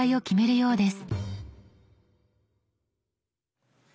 そうです。